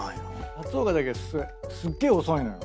松岡だけすっげえ遅いのよ。